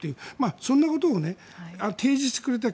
そんなことを提示してくれた。